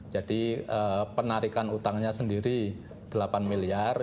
jadi penarikan utangnya sendiri delapan miliar